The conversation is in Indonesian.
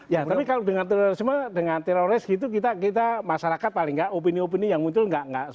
ya tapi kalau dengan terorisme dengan teroris gitu kita masyarakat paling nggak opini opini yang muncul